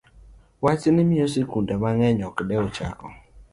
Wachni miyo skunde mang'eny ok dew chako